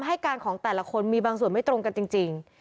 ให้การของแต่ละคนมีบางส่วนไม่ตรงกันจริง